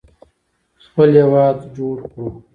خپل هیواد جوړ کړو.